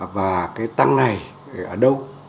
và cái tăng này ở đâu